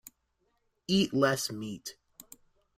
Eat less meat.